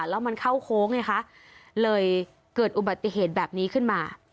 แล้วมันเข้าโค้งไงคะเลยเกิดอุบัติเหตุแบบนี้ขึ้นมา